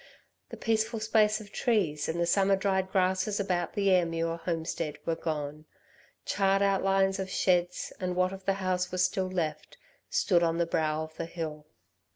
The peaceful space of trees and the summer dried grasses about the Ayrmuir homestead were gone. Charred outlines of sheds and what of the house was still left, stood on the brow of the hill.